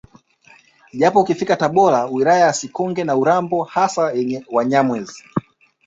Japo ukifika Tabora wilaya ya Sikonge na Urambo hasa yenye Wanyamwezi